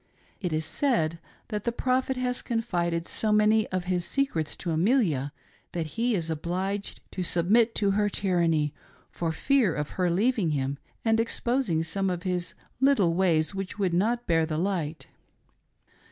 It is said that the Prophet has confided so many of his secrets to Amelia that he is obliged to submit to her tyranny, for fear of her leaving him, and exposing some 282 "PETTICOAT GOVERNMENT" I — THE REIGNING FAVORITK. of his little ways which would not bear the light.